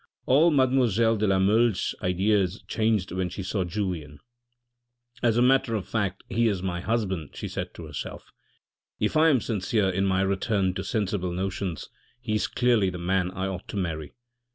All mademoiselle de la Mole's ideas changed when she saw Julien. " As a matter of fact he is my husband," she said to herself. " If I am sincere in my return to sensible notions, he is clearly the man I ought to marry."